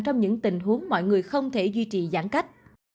trong những tình huống mọi người không thể duy trì giãn cách